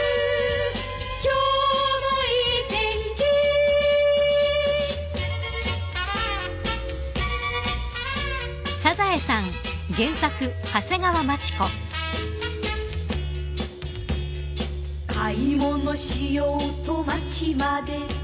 「今日もいい天気」「買い物しようと街まで」